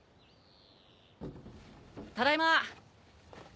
ただいま！